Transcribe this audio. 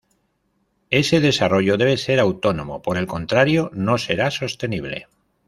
Ese desarrollo debe ser autónomo, por el contrario, no será sostenible.